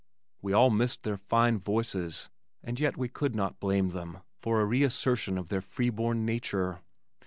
We all missed their fine voices and yet we could not blame them for a reassertion of their freeborn nature.